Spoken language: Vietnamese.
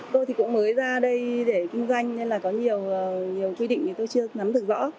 tôi thì cũng mới ra đây để kinh doanh nên là có nhiều quy định thì tôi chưa nắm được rõ